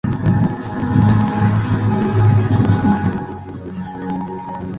Este es el principio de correspondencia.